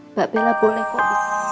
mbak bella boleh kok